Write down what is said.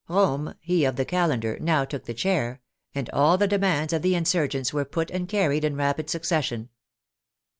Romme (he of the calendar) now took the chair, and all the demands of the insurgents were put and carried in rapid succes sion.